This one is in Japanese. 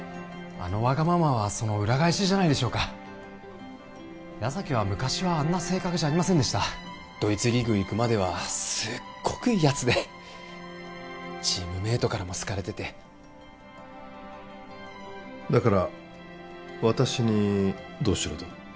あのわがままはその裏返しじゃないでしょうか矢崎は昔はあんな性格じゃありませんでしたドイツリーグ行くまではすっごくいいやつでチームメイトからも好かれててだから私にどうしろと？